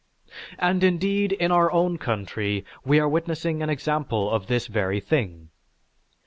And, indeed, in our own country we are witnessing an example of this very thing.